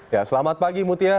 ya selamat pagi mutia